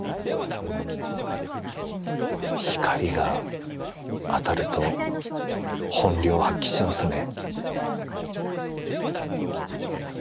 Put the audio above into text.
光が当たると本領発揮しますね。